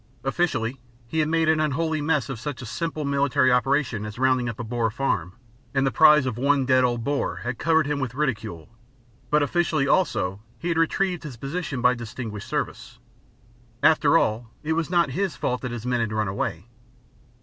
Officially, he had made an unholy mess of such a simple military operation as rounding up a Boer farm, and the prize of one dead old Boer had covered him with ridicule; but officially, also, he had retrieved his position by distinguished service. After all, it was not his fault that his men had run away.